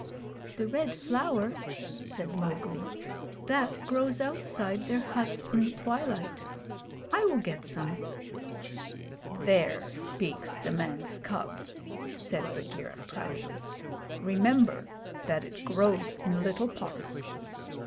'The Red Flower?' said Mowgli. 'That grows outside their huts in the twilight. I will get some.' 'There speaks the man's cub,' said Bagheera, proudly. 'Remember that it grows in little pots.